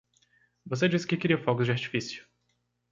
Você disse que queria fogos de artifício.